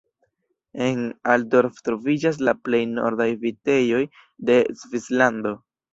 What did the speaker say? En Altdorf troviĝas la plej nordaj vitejoj de Svislando.